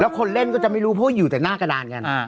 คนเล่นก็จะไม่รู้เพราะอยู่แต่หน้ากระดานกัน